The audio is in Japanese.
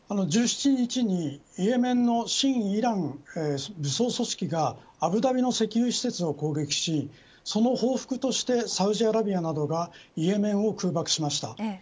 １７日にイエメンの親イラン武装組織がアブダビの石油施設を攻撃しその報復としてサウジアラビアなどがイエメンを空爆しました。